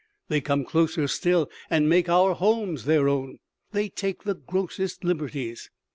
They come closer still, and make our homes their own. They take the grossest liberties.